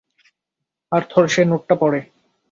আর থর সেই নোটটা পড়ে।